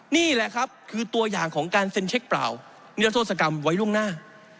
นี่แหละครับคือตัวอย่างของการเซ็นเช็คเปล่านิรโทษกรรมไว้ล่วงหน้า